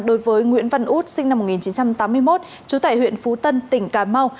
đối với nguyễn văn út sinh năm một nghìn chín trăm tám mươi một trú tại huyện phú tân tỉnh cà mau